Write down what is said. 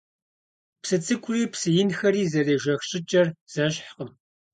Псы цӀыкӀури псы инхэри зэрежэх щӀыкӀэр зэщхькъым.